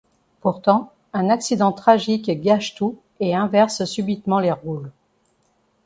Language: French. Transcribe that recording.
Pourtant, un accident tragique gâche tout et inverse subitement les rôles.